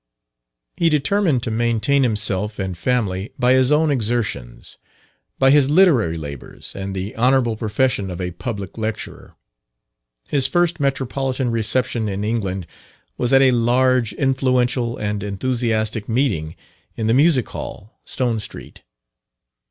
He determined to maintain himself and family by his own exertions by his literary labours, and the honourable profession of a public lecturer. His first metropolitan reception in England was at a large, influential, and enthusiastic meeting in the Music Hall, Stone Street.